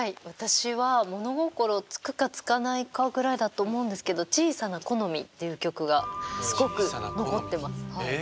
私は物心つくかつかないかぐらいだと思うんですけど「小さな木の実」っていう曲がすごく残ってます。